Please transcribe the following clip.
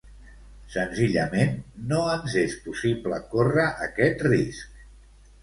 Senzillament, no ens és possible córrer aquest risc.